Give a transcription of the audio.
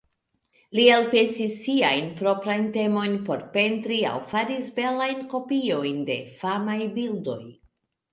Li elpensis siajn proprajn temojn por pentri aŭ faris belajn kopiojn de famaj bildoj.